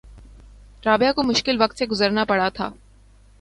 رابعہ کو مشکل وقت سے گزرنا پڑا تھا